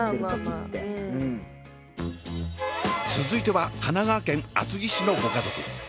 続いては神奈川県厚木市のご家族。